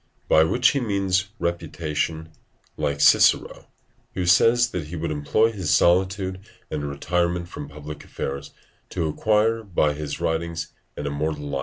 By which he means reputation; like Cicero, who says that he would employ his solitude and retirement from public affairs to acquire by his writings an immortal life.